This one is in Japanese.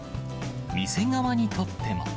店側にとっても。